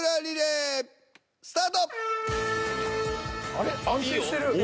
あれっ安定してる。